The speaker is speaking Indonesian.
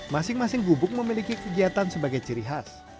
masing masing gubuk memiliki kegiatan sebagai ciri khas